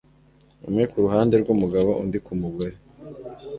umwe ku ruhande rw umugabo undi kumugore